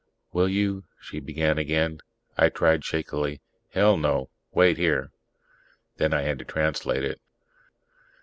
"Will you " she began again. I tried shakily, "Hell, no. Wait here." Then I had to translate it.